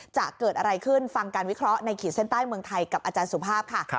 จะเกิดอะไรขึ้นฟังการวิเคราะห์ในขีดเส้นใต้เมืองไทยกับอาจารย์สุภาพค่ะ